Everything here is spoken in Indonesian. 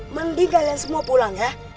mending kalian semua pulang ya